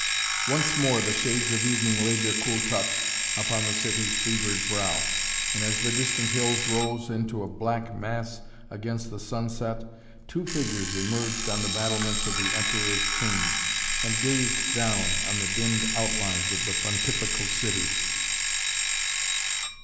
Once more the shades of evening laid their cool touch upon the city's fevered brow, and as the distant hills rose into a black mass against the sunset two figures emerged on the battlements of the Emperor's Tomb and gazed down on the dimmed outlines of the Pontifical City.